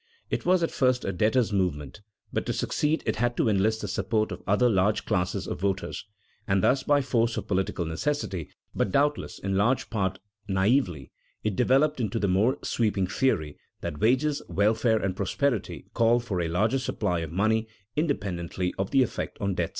It was at first a debtors' movement, but to succeed it had to enlist the support of other large classes of voters. And thus, by force of political necessity, but doubtless in large part naïvely, it developed into the more sweeping theory that wages, welfare, and prosperity called for a larger supply of money independently of the effect on debts.